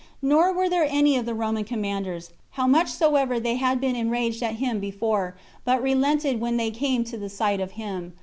Nor were there any of the Roman commanders, how much soever they had been enraged at him before, but relented when they came to the sight of him.